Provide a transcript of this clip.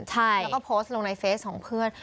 แล้วก็โพสต์ลงในเฟสของเพื่อน